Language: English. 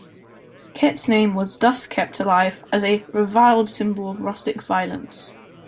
Kett's name was thus kept alive as a "reviled symbol of rustic violence".